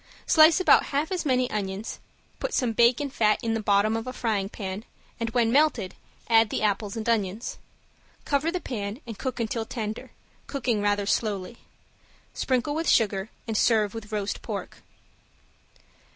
Slice about half as many onions, put some bacon fat in the bottom of a frying pan and when melted add the apples and onions. Cover the pan and cook until tender, cooking rather slowly. Sprinkle with sugar, and serve with roast pork.